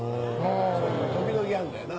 時々あるんだよな。